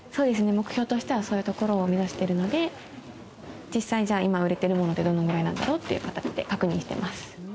目標としてはそういうところを目指しているので実際じゃあ今売れてるものってどのぐらいなんだろうっていう形で確認してます。